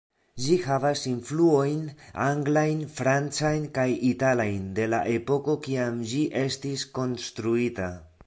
Ĝi havas influojn anglajn, francajn kaj italajn, de la epoko kiam ĝi estis konstruita.